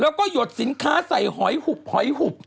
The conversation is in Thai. แล้วก็หยดสินค้าใส่หอยหุบหอยหุบ